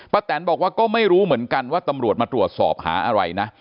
แตนบอกว่าก็ไม่รู้เหมือนกันว่าตำรวจมาตรวจสอบหาอะไรนะ